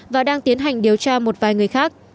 và đang tiến hành điều tra một vài người khác